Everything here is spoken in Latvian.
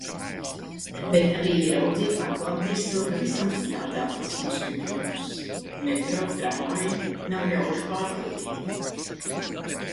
Bet arī ieraudzīt, atklāt Briseli pavisam citādākos noskaņojumus. Metro, tramvaji - nav ļaužu pārpildīti.